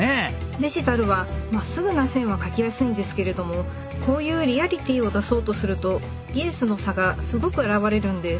デジタルはまっすぐな線は描きやすいんですけれどもこういうリアリティーを出そうとすると技術の差がすごく現れるんです。